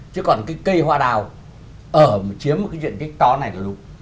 chứ còn cái cây hoa đào chiếm cái diện kích to này rồi đúng